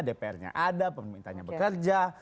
dpr nya ada pemerintahnya bekerja